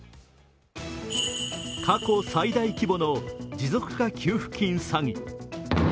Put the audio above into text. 過去最大規模の持続化給付金詐欺。